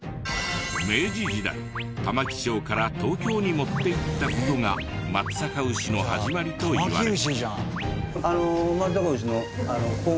明治時代玉城町から東京に持っていった事が松阪牛の始まりといわれる。